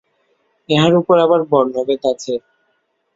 ইহার উপর আবার বর্ণভেদ আছে।